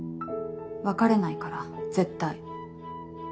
別れないから絶対。